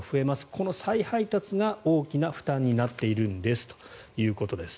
この再配達が大きな負担になっているんですということです。